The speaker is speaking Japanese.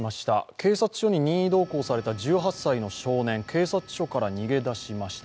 警察署に任意同行された１８歳の少年警察署から逃げ出しました。